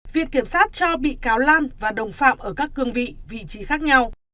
viện kiểm sát cho bị cáo lan và đồng phạm ở các cương vị vị trí khác nhau